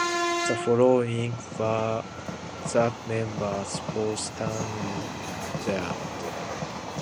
The following were the members for Stanstead.